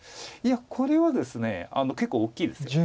いやこれはですね結構大きいです。